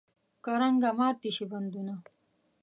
کرنګه مات دې شي بندونه.